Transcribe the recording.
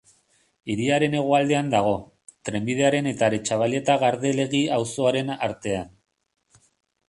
Hiriaren hegoaldean dago, trenbidearen eta Aretxabaleta-Gardelegi auzoaren artean.